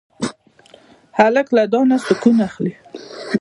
هلک له دعا نه سکون اخلي.